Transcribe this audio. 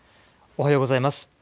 おはようございます。